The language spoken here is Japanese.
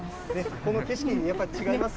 この景色、やっぱり違います？